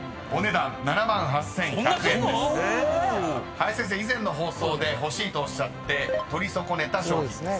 ［林先生以前の放送で欲しいとおっしゃって取り損ねた賞品です］